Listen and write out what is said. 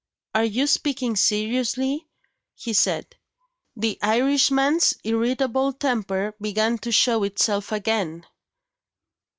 "Are you speaking seriously?" he said. The Irishman's irritable temper began to show itself again.